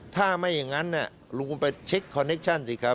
ถ้าไม่อย่างนั้นลุงคุณไปเช็คคอนเน็กชั่น